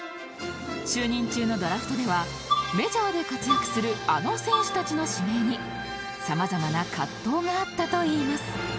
就任中のドラフトではメジャーで活躍するあの選手たちの指名にさまざまな葛藤があったといいます